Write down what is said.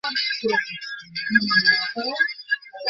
তিনি ইংরেজিতে লিখতে অথবা পড়তে প্রায় একদমই পারতেন না।